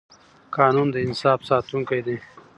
قانون د انصاف ساتونکی دی